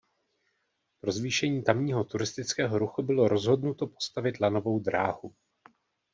Pro zvýšení tamního turistického ruchu bylo rozhodnuto postavit lanovou dráhu.